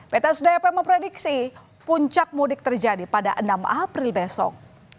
pt sudayape memprediksi puncak mudik terjadi pada enam april besok